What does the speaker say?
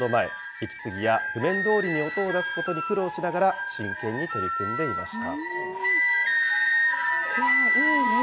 息継ぎや譜面どおりに音を出すことに苦労しながら、真剣に取り組んでいました。